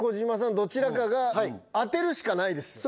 どちらかが当てるしかないですよね